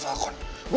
kita harus balas mereka